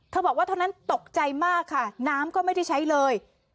บอกว่าเท่านั้นตกใจมากค่ะน้ำก็ไม่ได้ใช้เลย